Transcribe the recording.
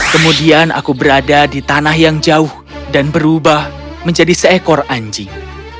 kemudian aku berada di tanah yang jauh dan berubah menjadi seekor anjing